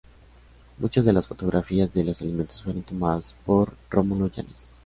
Muchas de las fotografías de los alimentos fueron tomadas por Romulo Yanes.